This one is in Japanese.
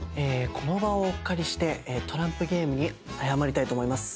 この場をお借りしてトランプゲームに謝りたいと思います。